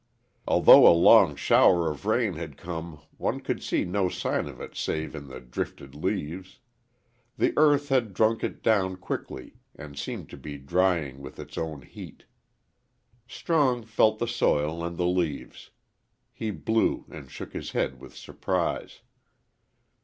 Although a long shower of rain had come one could see no sign of it save in the drifted leaves. The earth had drunk it down quickly and seemed to be drying with its own heat. Strong felt the soil and the leaves. He blew and shook his head with surprise.